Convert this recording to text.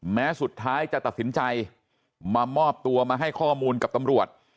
แม้สุดท้ายจะตัดสินใจมามอบตัวมาให้ข้อมูลกับตำรวจ